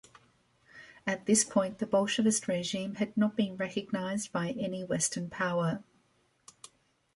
At this point, the Bolshevist regime had not been recognized by any Western power.